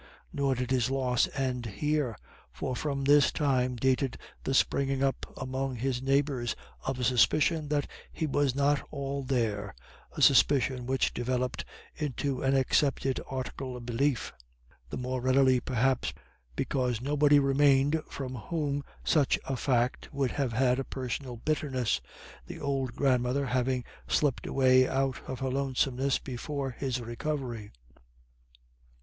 Nor did his loss end here, for from this time dated the springing up among his neighbours of a suspicion that he was not all there, a suspicion which developed into an accepted article of belief, the more readily, perhaps, because nobody remained for whom such a fact would have had a personal bitterness, the old grandmother having slipped away out of her lonesomeness before his recovery.